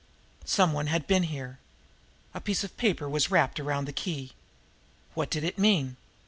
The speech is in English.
Some one had been here! A piece of paper was wrapped around the key. What did it mean?